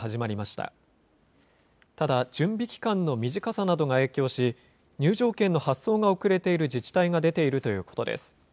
ただ、準備期間の短さなどが影響し、入場券の発送が遅れている自治体が出ているということです。